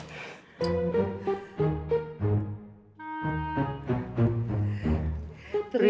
ini saya kesini bawa parsel